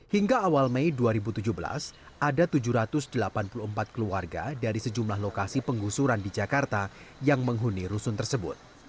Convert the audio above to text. hingga awal mei dua ribu tujuh belas ada tujuh ratus delapan puluh empat keluarga dari sejumlah lokasi penggusuran di jakarta yang menghuni rusun tersebut